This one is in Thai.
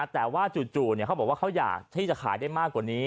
แต่ว่าจู่เขาบอกว่าเขาอยากที่จะขายได้มากกว่านี้